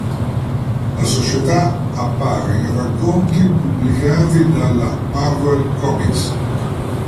La società appare in racconti pubblicati dalla Marvel Comics.